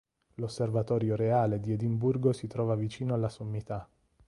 L'Osservatorio reale di Edimburgo si trova vicino alla sommità.